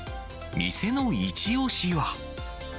店の一押しは。